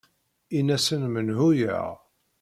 In-asen menhu-yaɣ.